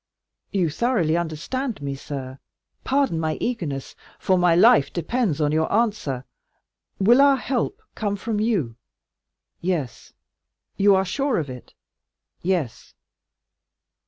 "You thoroughly understand me, sir? Pardon my eagerness, for my life depends on your answer. Will our help come from you?" "Yes." "You are sure of it?" "Yes."